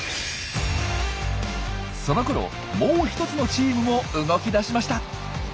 そのころもう一つのチームも動き出しました。